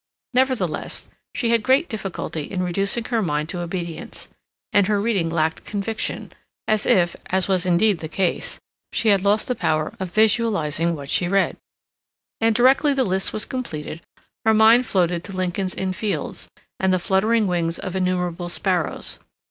Nevertheless, she had great difficulty in reducing her mind to obedience; and her reading lacked conviction, as if, as was indeed the case, she had lost the power of visualizing what she read. And directly the list was completed, her mind floated to Lincoln's Inn Fields and the fluttering wings of innumerable sparrows.